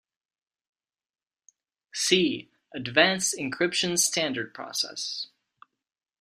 "See:" Advanced Encryption Standard process.